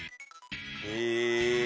へえ。